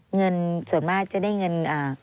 เงินส่วนมากจะได้เงิน